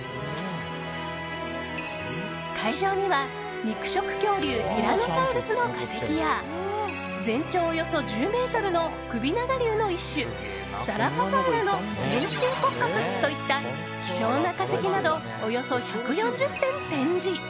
会場には肉食恐竜ティラノサウルスの化石や全長およそ１０ｍの首長竜の一種ザラファサウラの全身骨格といった希少な化石などおよそ１４０点展示。